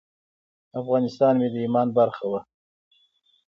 افغانستان مې د ایمان برخه وه.